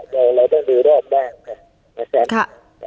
เราต้องดูรอบนะครับ